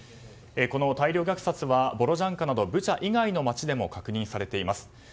この大量虐殺はボロジャンカなどブチャ以外の場所でも確認されています。